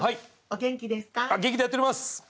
元気でやっております。